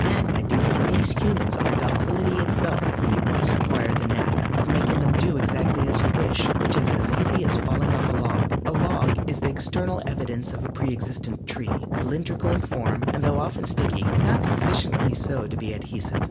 And, my dear, these humans are docility itself when you once acquire the knack of making them do exactly as you wish, which is as easy as falling off a log. A log is the external evidence of a pre existent tree, cylindrical in form, and though often sticky, not sufficiently so to be adhesive.